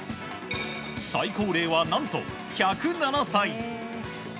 最高齢は何と１０７歳。